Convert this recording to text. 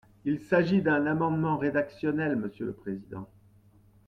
Il s’agit d’un amendement rédactionnel, monsieur le président.